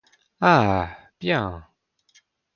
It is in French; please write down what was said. Ah bien !